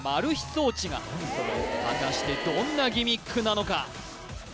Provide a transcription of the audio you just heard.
装置が果たしてどんなギミックなのか？